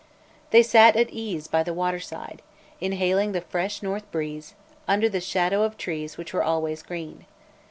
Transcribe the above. They sat at ease by the water side, inhaling the fresh north breeze, under the shadow of trees which were always green.